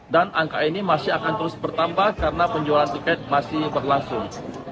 dan angka ini masih akan terus bertambah karena penjualan tiket masih berlasung